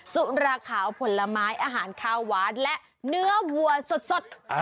สุราขาวผลไม้อาหารข้าวหวานและเนื้อวัวสด